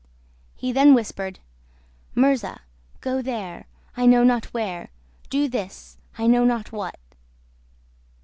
He then whispered, "Murza, go there, I know not where; do this, I know not what."